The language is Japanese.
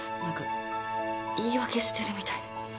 何か言い訳してるみたいで。